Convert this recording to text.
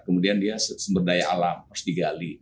kemudian dia sumber daya alam harus digali